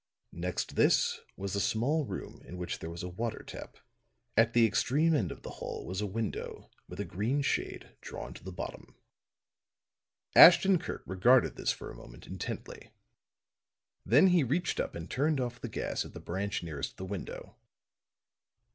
Next this was a small room in which there was a water tap. At the extreme end of the hall was a window with a green shade drawn to the bottom. Ashton Kirk regarded this for a moment intently. Then he reached up and turned off the gas at the branch nearest the window.